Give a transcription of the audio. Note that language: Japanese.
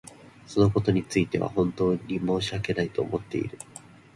そのことについては本当に申し訳ないと思っている。